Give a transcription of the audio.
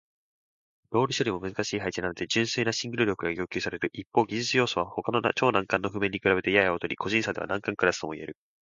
ロール処理も難しい配置なので純粋なシングル力が要求される。一方、技術要素は他の超難関の譜面に比べやや劣り、個人差では難関クラスとも言える。